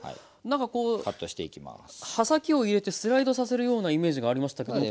何かこう刃先を入れてスライドさせるようなイメージがありましたけども。